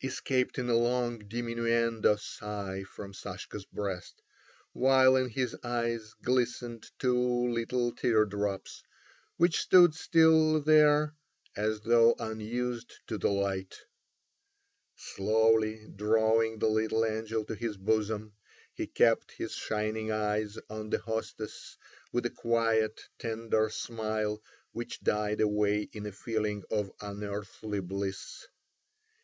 escaped in a long diminuendo sigh from Sashka's breast, while in his eyes glistened two little tear drops, which stood still there as though unused to the light. Slowly drawing the little angel to his bosom, he kept his shining eyes on the hostess, with a quiet, tender smile which died away in a feeling of unearthly bliss.